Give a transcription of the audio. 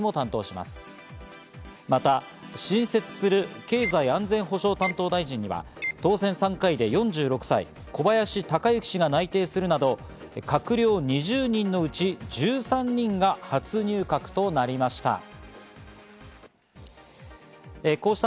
また新設する経済安全保障担当大臣には当選３回で４６歳の小林鷹之氏が内定するなど、閣僚２０人のうち１３人が初入閣となりました。